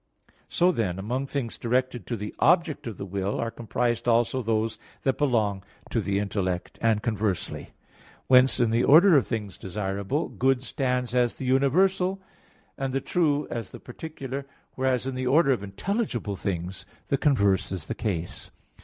So then, among things directed to the object of the will, are comprised also those that belong to the intellect; and conversely. Whence in the order of things desirable, good stands as the universal, and the true as the particular; whereas in the order of intelligible things the converse is the case.